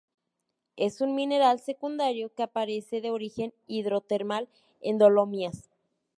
Es un mineral secundario que aparece de origen hidrotermal en dolomías.